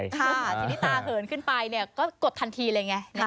พี่มิตาเหินขึ้นไปก็กดทันทีเลยไง